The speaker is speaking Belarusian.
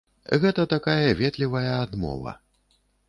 Гэта такая ветлівая адмова.